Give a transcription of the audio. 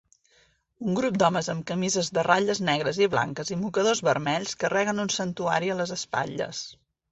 Un grup d'homes amb camises de ratlles negres i blanques i mocadors vermells carreguen un santuari a les espatlles.